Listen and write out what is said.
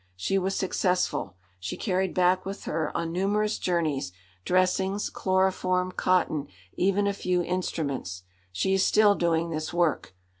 She was successful. She carried back with her, on numerous journeys, dressings, chloroform, cotton, even a few instruments. She is still doing this work.